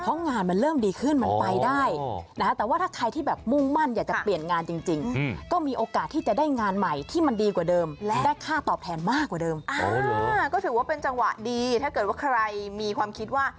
ก็ถือว่าเป็นจังหวะดีถ้าใครมีความคิดว่า